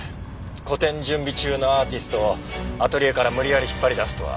個展準備中のアーティストをアトリエから無理やり引っ張り出すとは。